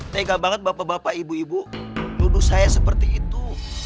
tega banget bapak bapak ibu ibu tuduh saya seperti itu